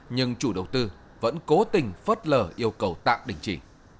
nhưng chủ đầu tư vẫn cố tình phớt lờ yêu cầu tạm đình chỉ